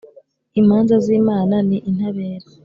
Imanza z’Imana ni intabera